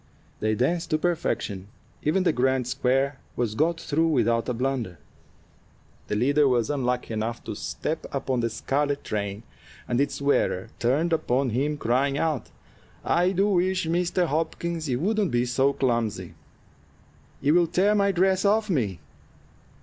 They danced to perfection; even the "grand square" was got through without a blunder. The leader was unlucky enough to step upon the scarlet train, and its wearer turned upon him, crying out: "I do wish, Mr. Hopkins, you wouldn't be so clumsy! You will tear my dress off me."